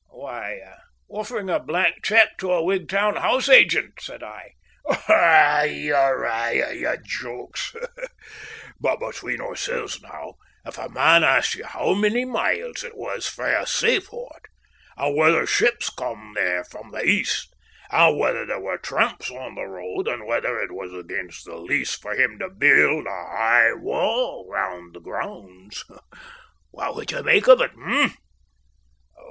"Why, offering a blank cheque to a Wigtown house agent," said I. "Ah, you're aye at your jokes. But between oorsel's now, if a man asked ye how many miles it was frae a seaport, and whether ships come there from the East, and whether there were tramps on the road, and whether it was against the lease for him to build a high wall round the grounds, what would ye make of it, eh?"